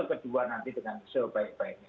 kedua nanti dengan sebaik baiknya